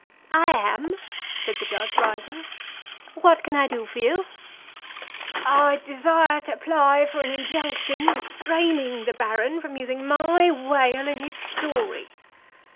"I am," said the Judge, rising. "What can I do for you?" "I desire to apply for an injunction restraining the Baron from using my whale in his story.